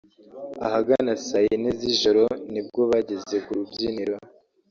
Ahagana saa yine z’ijoro nibwo bageze ku rubyiniro